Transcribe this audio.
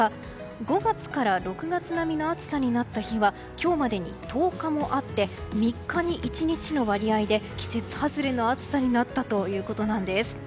５月から６月並みの暑さになった日は今日までに１０日もあって３日に１日の割合で季節外れの暑さになったということなんです。